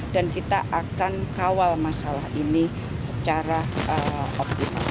dan kita akan kawal masalah ini secara optimal